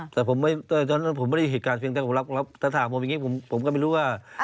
แต่ผมไม่ได้เหตุการณ์เพียงแต่ถามผมอย่างนี้ผมก็ไม่รู้ว่า